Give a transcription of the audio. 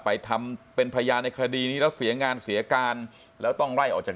ไปทำเป็นพยานในคดีนี้แล้วเสียงานเสียการแล้วต้องไล่ออกจาก